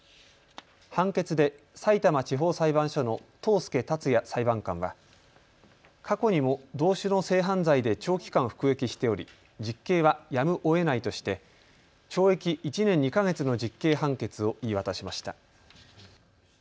判決で、さいたま地方裁判所の任介辰哉裁判官は過去にも同種の性犯罪で長期間服役しており実刑はやむをえないとして懲役１年２か月の実刑判決を言い渡しました。